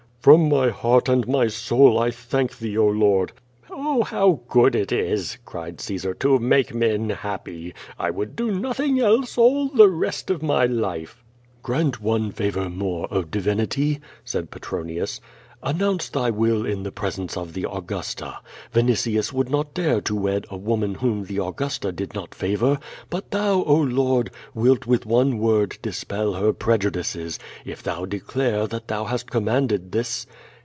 "From my heart and my soul, I thank thee, oh. Lord!" "Oh, how good it is," cried Caesar, "to make men happy. I would do nothing else all the rest of my life." "Cirant one favor more, oh, divinity," said Petronius. "An nounce thy will in the presence of the Augusta. Vinitius would not dare to wed a woman whom the Augusta did not favor, but thou, oh, Ix)rd, wilt with one word dispel her pre judices, if thou declare that thou hast commanded this."